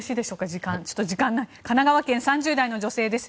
神奈川県３０代の女性です。